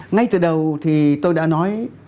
ngay từ đầu thì tôi đã nói